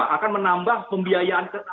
akan menambah pembiayaan